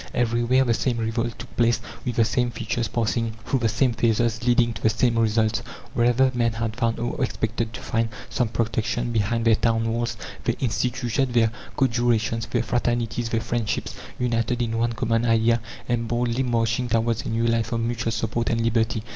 Everywhere the same revolt took place, with the same features, passing through the same phases, leading to the same results. Wherever men had found, or expected to find, some protection behind their town walls, they instituted their "co jurations," their "fraternities," their "friendships," united in one common idea, and boldly marching towards a new life of mutual support and liberty.